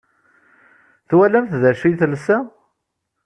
Twalamt d acu i telsa?